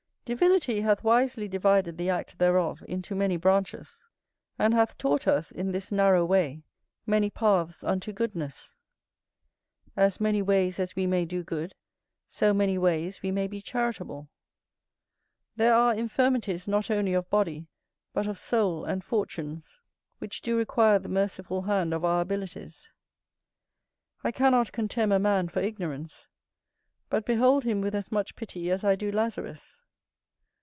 Divinity hath wisely divided the act thereof into many branches, and hath taught us, in this narrow way, many paths unto goodness; as many ways as we may do good, so many ways we may be charitable. There are infirmities not only of body, but of soul and fortunes, which do require the merciful hand of our abilities. I cannot contemn a man for ignorance, but behold him with as much pity as I do Lazarus.